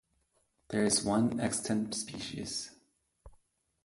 There is one extant species.